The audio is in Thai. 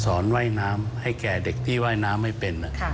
ว่ายน้ำให้แก่เด็กที่ว่ายน้ำไม่เป็น